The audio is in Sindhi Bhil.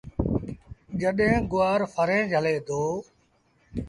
جڏهيݩ گُوآر ڦريٚݩ جھلي دو۔